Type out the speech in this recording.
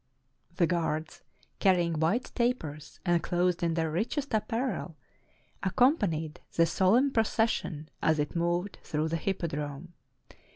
The guards, carrying white tapers, and clothed in their richest apparel, accompanied the solemn proces sion as it moved through the Hippodrome.